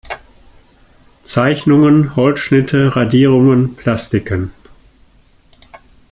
Zeichnungen, Holzschnitte, Radierungen, Plastiken.